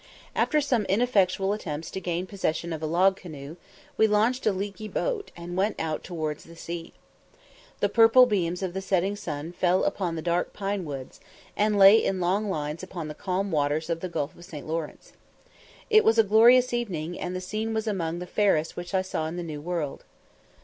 After some ineffectual attempts to gain possession of a log canoe, we launched a leaky boat, and went out towards the sea. The purple beams of the setting sun fell upon the dark pine woods, and lay in long lines upon the calm waters of the Gulf of St. Lawrence. It was a glorious evening, and the scene was among the fairest which I saw in the New World.